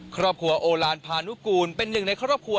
ครอบครัวโอลานพานุกูลเป็นหนึ่งในครอบครัว